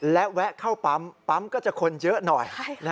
และแวะเข้าปั๊มปั๊มก็จะคนเยอะหน่อย